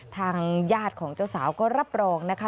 ทางญาติของเจ้าสาวก็รับรองนะคะ